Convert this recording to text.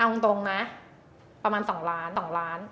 เอาจริงนะประมาณ๒ล้าน